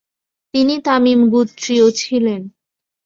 তিনি তামিম গোত্রীয় ছিলেন।